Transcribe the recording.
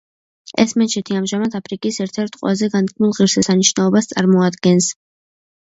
ეს მეჩეთი ამჟამად აფრიკის ერთ-ერთ ყველაზე განთქმულ ღირსშესანიშნაობას წარმოადგენს.